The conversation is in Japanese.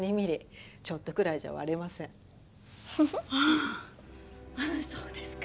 あそうですか。